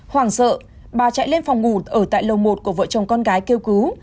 hoàng sợ bà chạy lên phòng ngủ ở tại lầu một của vợ chồng con gái kêu cứu